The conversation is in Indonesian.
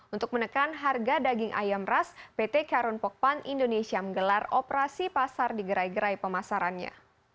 untuk menekan harga daging ayam ras pt karun pokpan indonesia menggelar operasi pasar di gerai gerai pemasarannya